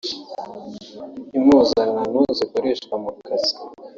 impuzankano zikoreshwa mu kazi